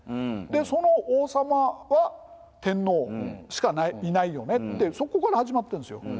でその王様は天皇しかいないよねっていうそこから始まってるんですよ。